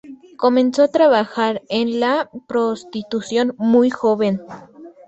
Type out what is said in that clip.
Comenzó a trabajar en la prostitución muy joven.